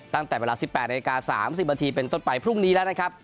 ตั้งแต่เวลา๑๘นาที๓๐นาทีเป็นต้นไปพรุ่งนี้แล้วนะครับ